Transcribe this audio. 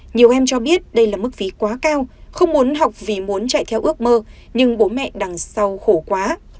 nhiều em cho biết đây là mức phí quá cao không muốn học vì muốn chạy theo ước mơ nhưng bố mẹ đằng sau khổ quá